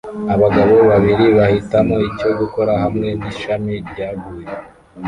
Abagabo babiri bahitamo icyo gukora hamwe nishami ryaguye